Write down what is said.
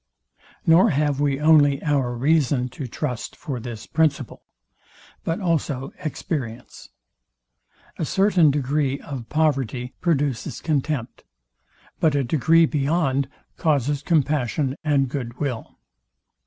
Nor have we only our reason to trust to for this principle, but also experience. A certain degree of poverty produces contempt; but a degree beyond causes compassion and good will.